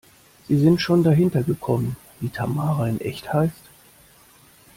Sind Sie schon dahinter gekommen, wie Tamara in echt heißt?